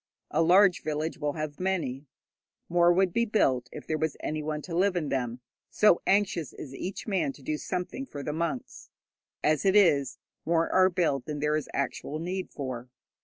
A large village will have many. More would be built if there was anyone to live in them, so anxious is each man to do something for the monks. As it is, more are built than there is actual need for.